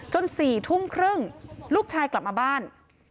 ๔ทุ่มครึ่งลูกชายกลับมาบ้าน